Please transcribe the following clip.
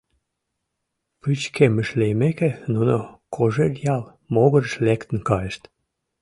Пычкемыш лиймеке, нуно Кожеръял могырыш лектын кайышт...